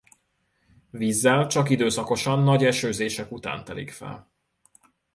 Vízzel csak időszakosan nagy esőzések után telik fel.